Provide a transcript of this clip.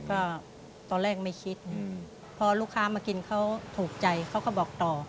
ก็ตอนแรกไม่คิดพอลูกค้ามากินเขาถูกใจเขาก็บอกต่อ